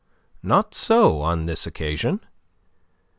Not so on this occasion.